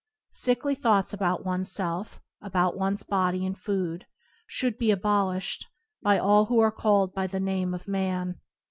Sickly thoughts about oneself, about one's body and food, should be abolished by all who are called by the name of man.